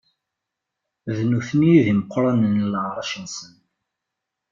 D nutni i d imeqranen n leɛṛac-nsen.